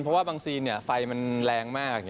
เพราะว่าบางซีนไฟมันแรงมาก